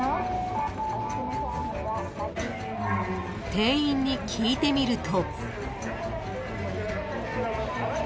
［店員に聞いてみると］